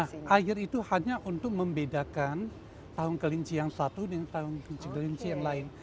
nah air itu hanya untuk membedakan tahun kelinci yang satu dengan tahun kelinci kelinci yang lain